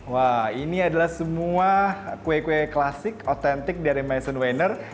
wah ini adalah semua kue kue klasik otentik dari maison weiner